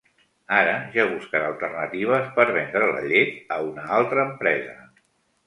Ara, ja busquen alternatives per vendre la llet a una altra empresa.